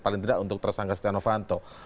paling tidak untuk tersangka setiap nopanto